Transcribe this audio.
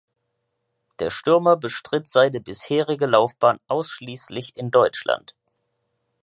Der Stürmer bestritt seine bisherige Laufbahn ausschließlich in Deutschland.